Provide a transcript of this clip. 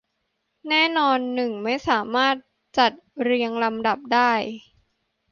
แน่นอน หนึ่งไม่สามารถจัดเรียงลำดับได้